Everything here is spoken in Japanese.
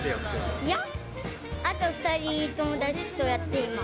いや、あと２人友達とやっています。